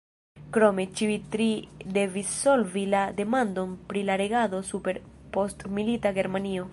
Krome, ĉiuj tri devis solvi la demandon pri la regado super postmilita Germanio.